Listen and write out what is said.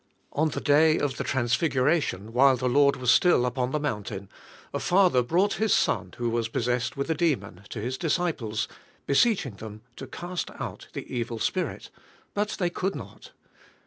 On the day of the Trans figuration, while the Lord was still upon the mountain, a father brought bis son who was possessed with a demon, to His disciples, beseeching them to oast out the 14 mmm hxaiiho. evil spirit, but they could mot.